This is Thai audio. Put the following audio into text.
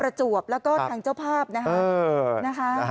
ประจวบแล้วก็ทางเจ้าภาพนะคะ